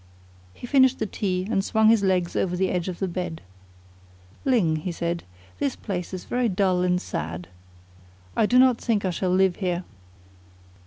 He finished the tea, and swung his legs over the edge of the bed. "Ling," he said, "this place is very dull and sad. I do not think I shall live here."